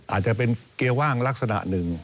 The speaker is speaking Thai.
อาจจะเป็นเกียร์ว่างลักษณะหนึ่ง